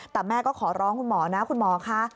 แต่แม่ก็ขอร้องคุณหมอนะคุณหมอคะ